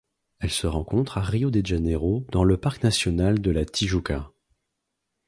Elle se rencontre à Rio de Janeiro dans le parc national de la Tijuca.